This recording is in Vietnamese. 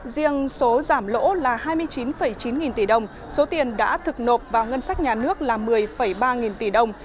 riêng số giảm lỗ là hai mươi chín chín nghìn tỷ đồng số tiền đã thực nộp vào ngân sách nhà nước là một mươi ba nghìn tỷ đồng